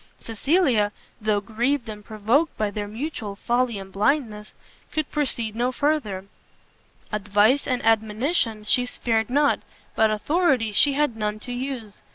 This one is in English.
Cecilia, though grieved and provoked by their mutual folly and blindness, could proceed no further: advice and admonition she spared not, but authority she had none to use.